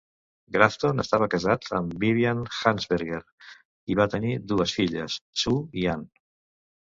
Grafton estava casat amb Vivian Harnsberger i van tenir dues filles, Sue i Ann.